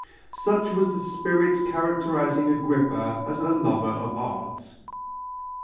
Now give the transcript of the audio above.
Such was the spirit characterizing Agrippa as a lover of art.